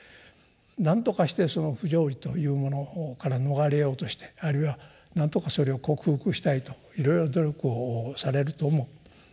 何とかしてその不条理というものから逃れようとしてあるいは何とかそれを克服したいといろいろ努力をされると思う。